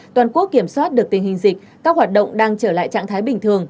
toàn quốc kiểm soát được tình hình dịch các hoạt động đang trở lại trạng thái bình thường